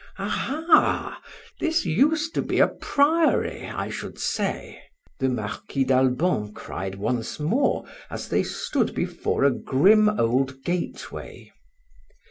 "Aha! This used to be a priory, I should say," the Marquis d'Albon cried once more, as they stood before a grim old gateway.